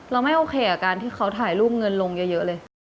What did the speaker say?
ไม่โอเคกับการที่เขาถ่ายรูปเงินลงเยอะเลย